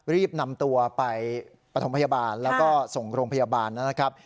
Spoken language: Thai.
รีบนำตัวไปปฐมพยาบาลแล้วก็ส่งโรงพยาบาลนะครับ